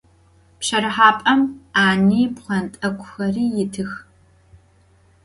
Pşerıhap'em 'ani pxhent'ek'uxeri yitıx.